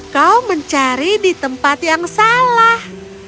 kau mencari di tempat yang salah